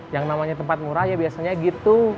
yang namanya tempat murah ya biasanya gitu